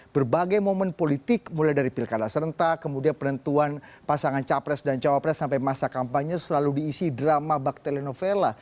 berbagai momen politik mulai dari pilkada serentak kemudian penentuan pasangan capres dan cawapres sampai masa kampanye selalu diisi drama baktelenovela